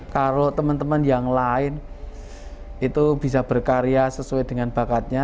kalau teman teman yang lain itu bisa berkarya sesuai dengan bakatnya